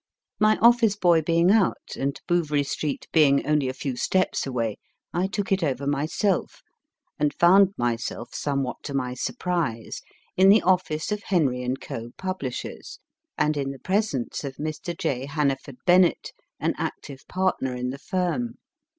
My office boy being out, and Bouverie MR. ZANGWILI. AT WORK Street being only a few steps away, I took it over myself, and found myself, somewhat to my surprise, in the office of Henry & Co., publishers, and in the presence of Mr. J. Hannaford N i 7 8 MY FIRST BOOK Bennett, an active partner in the firm.